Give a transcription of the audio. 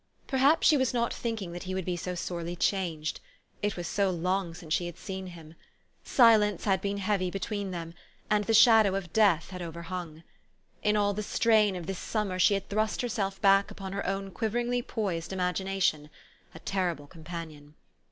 Perhaps she was not thinking that he would be so sorely changed. It was so long since she had seen him ! Silence had been heavy between them, and the shadow of death had overhung. In all the strain of this summer she had thrust herself back upon her own quiveringly poised imagination a terrible companion.